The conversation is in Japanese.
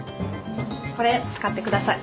これ使ってください。